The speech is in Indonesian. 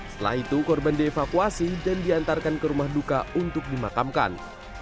setelah itu korban dievakuasi dan diantarkan ke rumah duka untuk dimakamkan